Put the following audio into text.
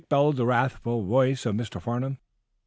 bellowed the wrathful voice of Mr. Farnum.